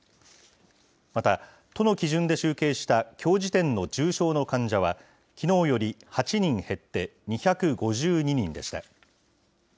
また、都の基準で集計したきょう時点の重症の患者は、きのうより８人減って２５２人でした。